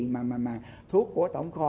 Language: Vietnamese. mà thuốc của tổng kho